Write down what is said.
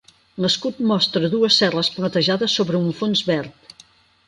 L'escut mostra dues serres platejades sobre un fons verd.